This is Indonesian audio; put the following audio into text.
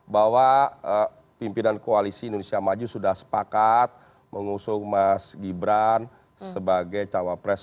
bahwa pimpinan koalisi indonesia maju sudah sepakat mengusung mas gibran sebagai cawapres